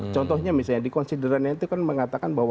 contohnya misalnya dikonsideran itu kan mengatakan bahwa